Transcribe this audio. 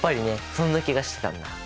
そんな気がしてたんだ！